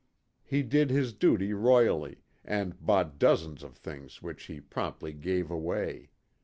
He did his duty royally, and bought dozens of things which he promptly gave away.